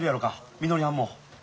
みのりはんも。